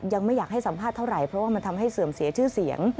ยังไม่อยากให้สัมภาษณ์เท่าไหร่เพราะว่ามันทำให้เสื่อมเสียชื่อเสียง